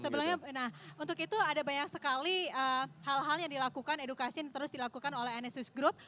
nah untuk itu ada banyak sekali hal hal yang dilakukan edukasi yang terus dilakukan oleh anesus group